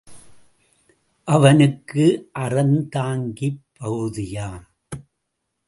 அவனுக்கு அறந்தாங்கிப் பகுதியாம்!